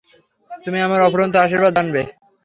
তুমি আমার অফুরন্ত আশীর্বাদ জানবে।